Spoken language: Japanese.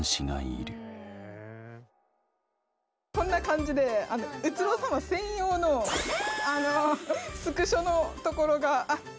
こんな感じで宇津呂さま専用のスクショのところがあって。